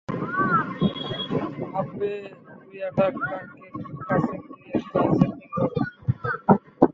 আব্বে, তুই এটা কাছে কিভাবে?